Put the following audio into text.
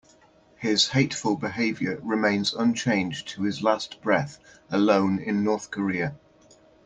His hateful behavior remains unchanged to his last breath, alone in North Korea.